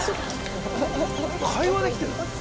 会話できてる。